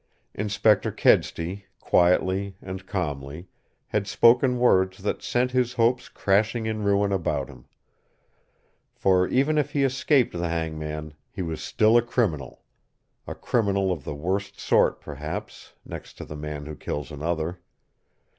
Inspector Kedsty, quietly and calmly, had spoken words that sent his hopes crashing in ruin about him. For even if he escaped the hangman, he was still a criminal a criminal of the worst sort, perhaps, next to the man who kills another.